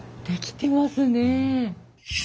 できてますね。